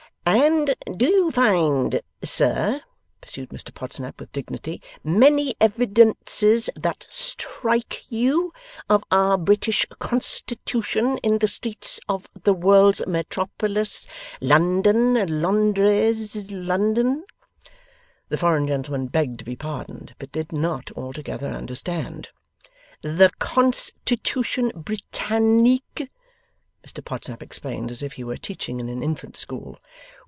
'And Do You Find, Sir,' pursued Mr Podsnap, with dignity, 'Many Evidences that Strike You, of our British Constitution in the Streets Of The World's Metropolis, London, Londres, London?' The foreign gentleman begged to be pardoned, but did not altogether understand. 'The Constitution Britannique,' Mr Podsnap explained, as if he were teaching in an infant school.